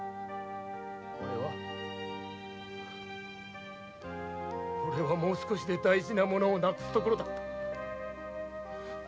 おれはおれはもう少しで大事なものを失うところだった。